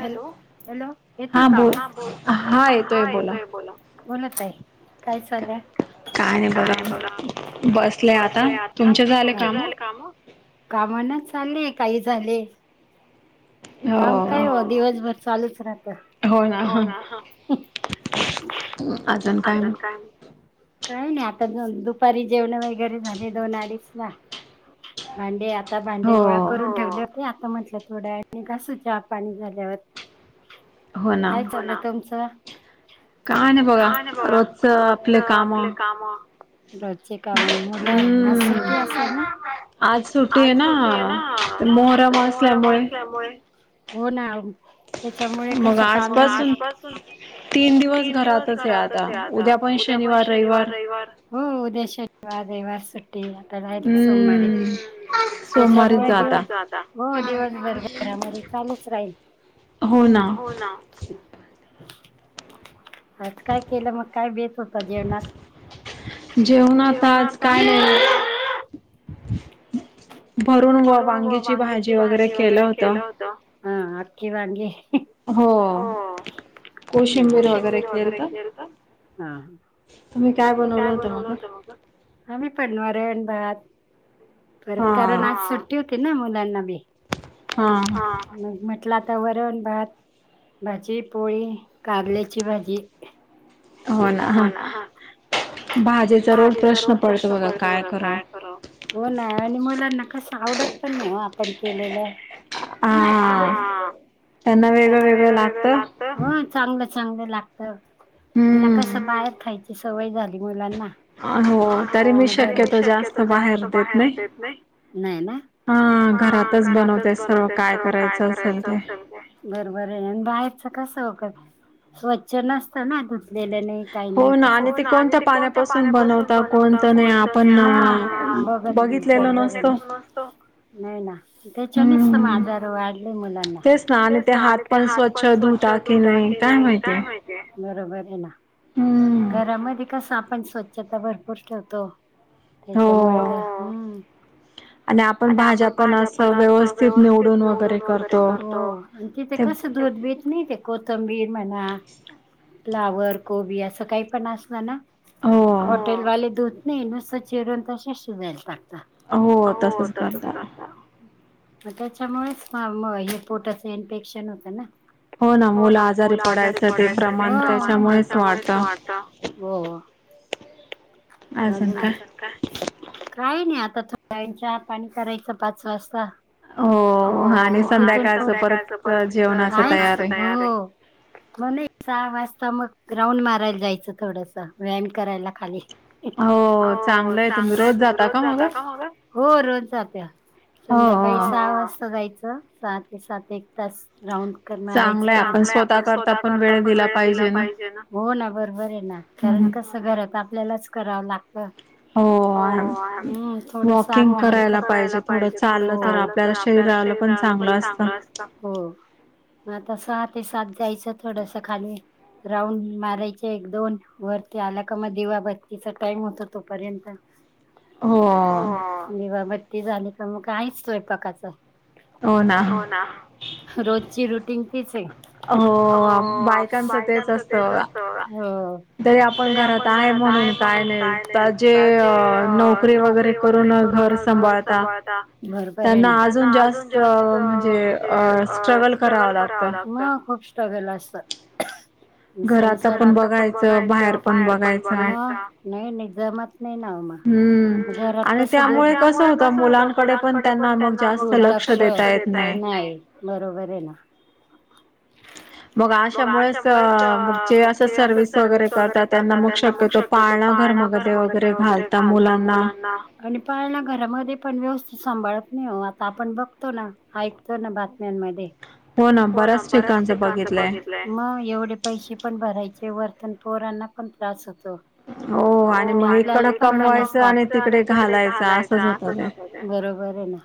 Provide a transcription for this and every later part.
Hello hello येतोय का आवाज हा बोल हा येतोय बोला बोला ताई काय नाय बघा बसले आता तुमचे झाले काम काम ना चालेय काही झाले. काम काय ओ दिवसभर चालूच राहतं. हो ना अजून काय म काय नाय आता दुपारी जेवण वगैरे झाले दोन अडीच ला भांडे आता भांडे गोळा करून ठेवले होते आता म्हटलं थोड्या आणि घासू चहा पाणी झाल्यावर काय चाललं तुमचं? काय नाय बघा रोजचं आपले काम रोजचे काम मुलं आज सुट्टी असेल ना आज सुट्टी ये ना ते मोहरम असल्यामुळे मुळे हो ना त्याच्यामुळे कस काम नाय आज पासून तीन दिवस घरातच ये आता उद्या पण शनिवार रयवार हो उदया शनिवार रयवार सुट् ट्टी आता डायरेक्ट सोमावारी हूं त्याच्यामुळे दि सोमवारी चं जा आता हो दिवसभर घरामध्ये चालूच राहील हो ना आज काय केलं मग काय बेत होता जेवणात. जेवणात आज काय नाय भरून व वांगीची भाजी वगैरे केलं होत. हा आखि वांगी हो कोशिंबीर वगैरे केलत. हां ह तुम्ही काय बनवलं होतं मग आम्ही पण वरण भात परत कारण आज सुट ट्टी होती ना मुलांना बी हा. हम्म म्हटलं आता वरण भात भाजी पोळी कारल्याची भाजी. हो ना हा भाजेचा रोज प्रश्न पडतो बघा काय कर. हो ना आणि मुलांना कस आवडत पण ना आपण केलेलं. हा त्यांना वेगळं वेगळं लागतं. र हो चांगलं चांगलं लागतं. त्यांना कसं बाहेर खायची सवय झाली मुलांना. अ हो तरी मी शक्यतो जास्त बाहेर देत नाही नाही ना. हा घरातच बनवते सर्व काय करायचं असल ते. बरोबर आहे आणि बाहेरच कसं ओ क स्वच्छ नसतं नाय. दिलं नाही काही नाही हो ना आणि ते कोणत्या पाण्यापासून बनवत कोणत नाही आपल्याला. बघितलेत तर नसत नाही ना त्याच्यानेच त आजार वाढले मुलांना. तेच ना आणि ते हात पण स्वच्छ धुता की नाही काय माहितीय. बरोबर आहे ना. हम्म. घरामध्ये कस आपण स्वच्छता भरपूर ठेवतो. त्याच्यामुळेम् हम्म हम्म आणि आपण भाज्या पण असं व्यवस्थित निवडून वगैरे करतो. आणि तिथे कसं दूध बीेत नाही ते कोथंबीर म्हणा. फ्लावर कोबी असं काही पण असत ना. हो. हम्म हॉटेल वाले धूत नाही नुसत चिरून तसे शिजायला टाकता. हो तसच करतात. मग त्याच्यामुळेच पा म हे पोटाचं इन्फेक्शन होतं ना. हो ना मुलं आजारी पडायचं ते प्रमाण. हो त्याच्यामुळेच वाढत हो हो. अजून काय. काय नाही आता थोड्या वेळान चहा पाणी करायचं पाच वाजता. हो तिथून आणि संध्याकाळच परत आहेच जेवणाच तयारी आह. म्हणून सहा वाजता मग राऊंड मारायला जायचं थोडस व्यायाम करायला खाली. हो चांगलंय तुम्ही रोज जाता का मग हो रोज जात्या. संध्याकाळी हो हो सहा वाजता जायचं सहा ते सात एक तास राऊंड. मारयच चांगलंय आणि स्वतः कर. हो ना बरोबर आहे ना कारण कसं घरात आपल्यालाच करावं लागत ते. हो आणि थोडस वर्किंग करायला पाहिजे थोड चाल. तर आपल्याला शरीराला पण चांगलं असत. हो म आता सहा ते सात जायचं थोडस खाली. राऊंड मारायचे एक दोन वरती आला का मग दिवा बत्तीचा टाइम होतो तोपर्यंत. हम्म दिवाबत्ती झाली का मग आहेच स्वयंपाकाच. हो ना रोजची रुटिंग तीच हाय. हो. अप बायकांच तेच असत अ हो. तरी आपण घरात आहे म्हणून काय नाही आता जे नोकरी वगैरे करून. घर सांभाळता बरोबर आहे ना त्यांना अजून जास्त म्हणजे. स्ट्रगल कराव लागत खूप स्ट्रगल असत. घराच पण संसाराच बघायचं बाहेर पण बघायच नाही नाही जमत नाही ना. हम्म घरात कस होत त्यामुळे कस होत मुलांकडे पण त्यांना दुर्लक्ष लक्ष देता येत नाही बरोबर आहे ना. मग अश्यामुळेत मग ते अस सर्व्हिस वगैरे करता त्यांना मग श त पाळण घर बघतं वगैरे घालता मुलांना आणि पाळला घरामध्ये पण व्यवस्थित सांभाळत नइओ आता आपण बघतो ना ऐकतो ना बातम्यांमध्ये हो ना बऱ्याच ठिकाणचं बघितलं. प्ला मग एवढे पैसे पण भरायचे वर्तन पोरांना पण त्रास होतो. हो आणि आपल्याला कमवायचं पण असत आणि इकडे कमवायचं तिकडे घालायच असच असतं. हो बरोबर आहे ना.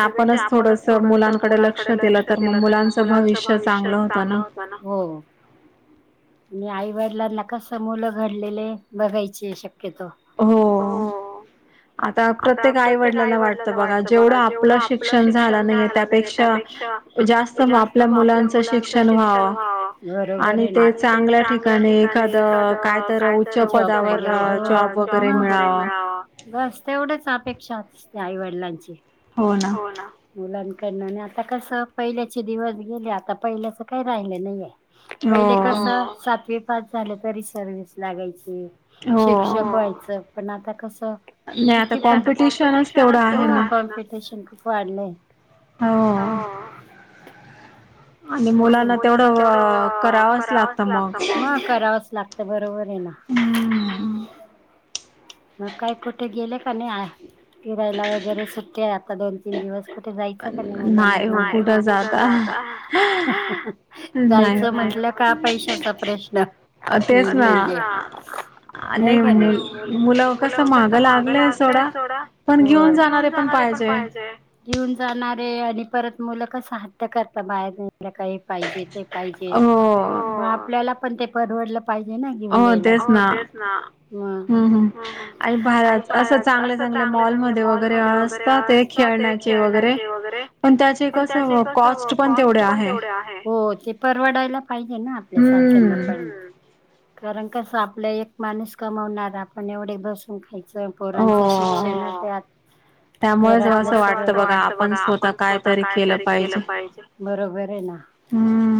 त्या पेक्षा आपणच थोडस मुलांकडे लक्ष दिलं तर मग मुलांच भविष्य चांगलं होत. पण हो. आणि आईवडिलांना कसं मुल घडलेले बघायच शक्यतो. अहुओ. आता प्रत्येक आईवडिलाला वाटतं बघा जेवढं आपलं शिक्षण झालं नाही त्यापेक्षा जास्त व आपल्यात आपल्या मुलांच शिक्षण व्हाव, बरोबर आहे न आणि ते चांगल्या ठिकाणी एखाद काय जॉब वगैरे तर पदावर चॉप वगैरे मिळावा मग बस तेवढेच अपेक्षा असते आईवडिलांची हो ना. मुलांकडन आणि आता कसं पहिल्याचे दिवस गेले आता पहिल्याच काही राहिलं नाहीये. पहिले कस सातवी पास झालं तरी सर्वीस लागायची. शिक्षक व्हायचं पण आता कसं किती कॉम्पिटिशन खूप वाढलंय. हो. ह [inaudible] मुलाना तेवढं करावच लागत मग, मग करावच लागत बरोबर आहे ना. मग काही कुठे गेले का नाही आज? फिरायला वगैरे सुट्टे आहे आता दोन तीन दिवस कुठे जायचं का निवांतवणी आलं की, नाही ओ. कुठ जात जायचं म्हटलं का पैशाचा प्रश्न. [unintelligible] व्हय का नाही. मूल कसं माग लागले सोडा पण घेऊन जाणारे पण पाहिजे. घेऊन जाणारे आणि परत मुलं कस हट्ट करता बाहेर ने आपले काही पाहिजे ते पाहिजे आपल्याला पण ते परवडलं पाहिजे ना घेऊन द्यायला. हो तेच ना. आणि बाहर असं चांगल्या चांगल्या मॉलमध्येध्ये वगैरे असत ते खेळण्याचे वगैरे पण त्याचे कस कॉस्ट पण तेवढ आहे हो ते प परवडायला पाहिजे ना आपल्या सारख्यांना पण कारण कस आपलं एक माणूस कमवणारा आपण एवढे बसून खायचं पोरांचं शिक्षण त्यात त्यामुळं अस वाटत बघा आपण स्वतः काय तरी केलं पाहिजे. बरोबर आहे ना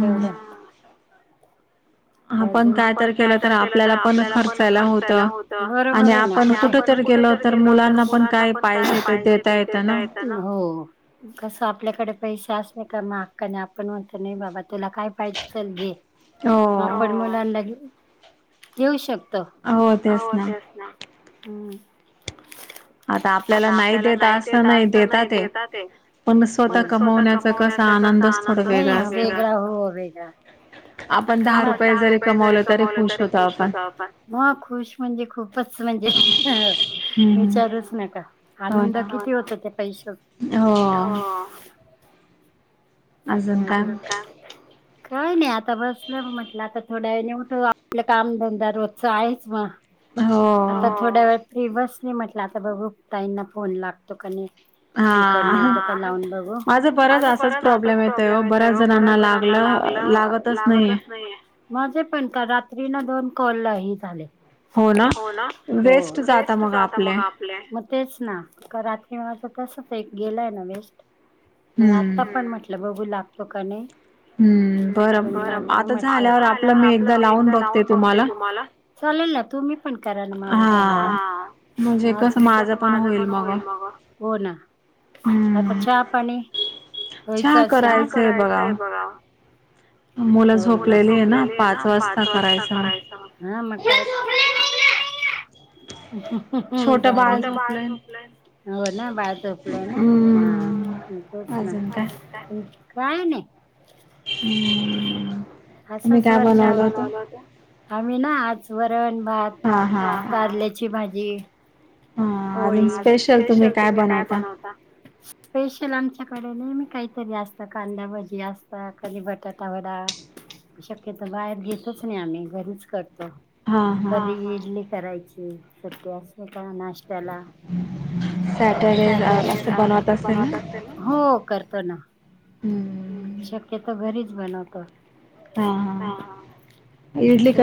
तेवढ्यात आपण काय तर केलं तर आपल्याला पण खर्चायला होत बरोबर आहे न आपण कुठ तर तर मुलांना पण काय पाहिजे ते देता येत न हो. कसं आपल्याकडे पैसे असले का हक्काने आपण म्हणतो नाही बाबा तुला काय पाहिजे चल घे. आपण मुलांनाेऊ येेऊ शकतो. हम्म. आता आपल्याला नाही द येत असत नाही देत ते. मण स्वतः कमवण्याचा कसा आनंद असतो हो वेगळा हो वेगळा आपण दहा रुपये जरी कमवले तरी खुश होतो आपण मग खुश म्हणजे खूपच म्हणजे ह विचारूच न का. आनंद किती होत ते पैसाव हो अजून काय? काय नाही आता बसलं म म्हटलं आता थोड्या वेळ निवठं आपलं कामधंदा रोजचा आहेच मग. आता थोड्या वेळ फ्री बसले म्हटलं आता बघू ताईंना फोन लागतो कने. तिकड नाही त लावून बघू आ परत असत. बरयाच जनान लागलं, लागतच माझे पण का रात्री ना दोन कॉल ला हे झाले. हो ना वेस्ट जात मग आप मग तेच ना का रात्री मा तसच आहे गेलाय ना वेस्ट. मग आता पण म्हटलं बघू लागतो का नाही. ह ब आता झा झाल्यावर आपलं मी एकदा लावून बघते तुम्हाला. चालेल ना तुम्ही पण कराल माझं, झालं हा म्हणजे कस माझ पण होईल मग, हो ना. आता हा चहा, पाणी व्हायचं असेल ना. हा, करायचंय बघा मुलं झोपलेली आहे ना पाच वाजता करायचं मग. हा म काय? जा [unintelligible] छोटं बाळ झोपलंय. हो ना बाळ झोपलय ना, हा मग तेच ना. काय नाही. हम्म असंच वरच्या, आम्ही ना आज वरण, भात कारल्या - ची भाजी, स्पेशल तुम्ही काय बनवता? स्पेशल आमच्याकडे नेहमी काहीतरी असत, कांदाभजी असत, खली बटाटा वडा. शक्यतो बाहेर घेतच नाही आम्ही घरीच करतो. कधी इडली करायची सत्या असे का नाश्त्याला. सॅटरडे असं बनवत असेल ना. हो करतो ना, शक्यतो घरीच बनवतो. हा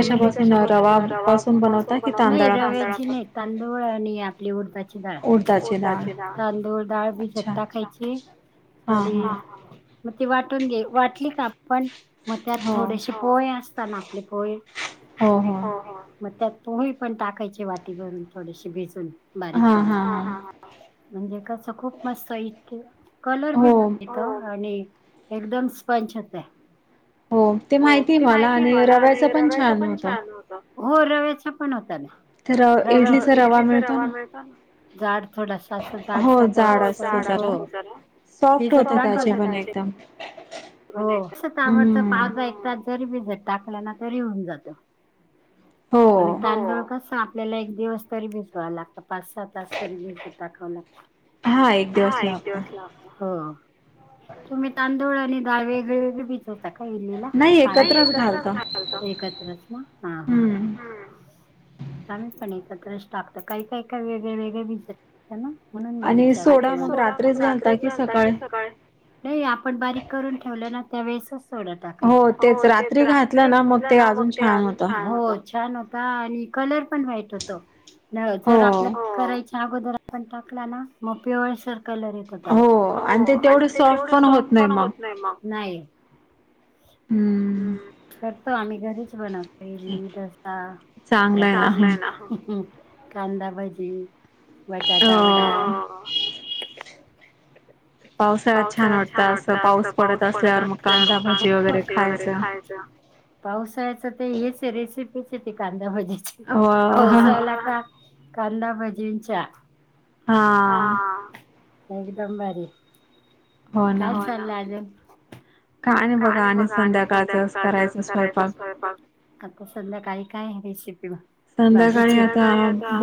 इडली कशापासून रवा पासून बनवता का तांदूळ, नाही रव्याची नाही तांदूळ आपली- उडदाची डाळ, उडदाची डाळ, तांदूळ, डाळ भिजत टाकायची [unintelligible] आणि मग ती वाटून घे वाटली का पण मग त्यात थोडेशे पोहे असताना आपले पोहे, हा, हा मग त्यात पोहे पण टाकायचे, वाटी भरून थोडीशी भिजून बारीक करून. हा हा म्हणजे कस खूप मस्त इडली, कलर बी येतो आणि- एकदम स्पंच होते. हो ते माहिती आहे मला, आणि रव्याच पण छान होतं. हो रव्याचा पण होत ना. रवा इडलीचा रवा मिळतो ना. जाड थोडसा, असा जाड हो जाड असतो. भिझत टाकाला [unintelligible] हो असंच आवडतं, [unintelligible] जरी भिजत टाकलं ना तरी होऊन जात. आणि तांदूळ कस आपल्याला एक दिवस तरी भिजवाय लागत. पाच सहा तास तरी भिज मग, हा एक दिवस ला- हो तुम्हीं तांदूळ आणि डाळं वेगळी वेगळी भिजवतां कां इडली लां कां नाहीं एकत्रचं घालतो एकत्रचं नां हा आममी पणं एकत्रचं टाकतो कांहीं कायं कायं वेगळे वेगळे भीज आणि सोडा मंग रात्रीचं घालंता की सकाळीं नाहीं आपणं बारीक करूंन ठेवल्यां नंतर त्यां वळेसचं- सोडा टाकायचं हो तेचं रात्री भिजलं नां मंग ते अजूंन छान. छान होतं आणि कलर पणं व्हाईट होतो जरं आपलं करायच्यां अगोदरं - पणं टाकलां नां मंग पिवळं सरं - पिवळं सरं कलर येतो त्यांला हो आणि ते तेवढ सॉफ्ट पणं होत नाहीं मंग नाहीं. करतो आम्हीं घरीच बनवतो इडली डोसे - हां चांगलय नां कांदाभजी. बटाटा वडां हां पावसाळ्यांत छान वाटतं असं पाऊस पडंत असल्यांवर मंग भजी वगैरे खायचं. पावसाळ्यांच ते हेच रेसिपीच आहे ती कांदाभजीची पावसाळ्यांला कां कंदा भजी आणि चहा हां एकदंम भारी- कायं चाललंय अजूंन कायं नाहीं बघां आणि संध्याकांळचा करायचं स्वयंपाक. आंता संध्याकाळी कायं आहे रेसिपी मंग संध्याकाळी आंता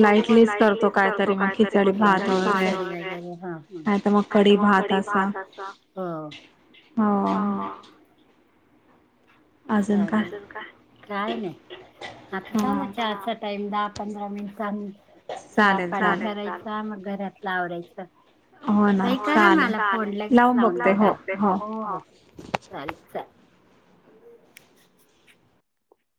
बघूं लाईटलीच करतो कायंतरी मंग खिचडी भांत वैगेरें. हं नाहीं तरं मंग कढी भांत असां हं अजूंन कायं कायं नाहीं आंता चला चहा टाईम दहा पंधरा मिनिटांनी पाणी करायचं मंग घरातलं आवरायचं कांहीं करां मलां फोन लगेचं लावूंन पहाते चला चल